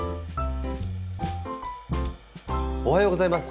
おはようございます。